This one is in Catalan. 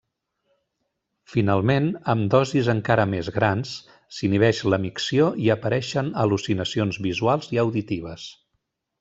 Finalment amb dosis encara més grans, s'inhibeix la micció i apareixen al·lucinacions visuals i auditives.